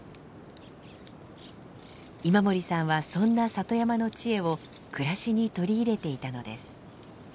今森さんはそんな里山の知恵を暮らしに取り入れていたのです。